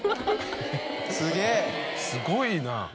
すごいな。